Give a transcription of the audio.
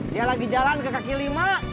dia lagi jalan ke kaki lima